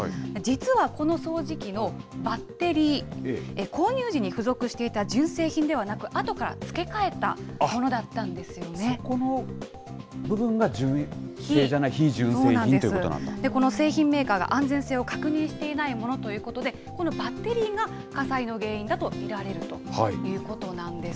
実はこの掃除機のバッテリー、購入時に付属していた純正品ではなく、あとから付け替えたものだっそこの部分が純正じゃない、この製品メーカーが安全性を確認していないものということで、このバッテリーが、火災の原因だと見られるということなんです。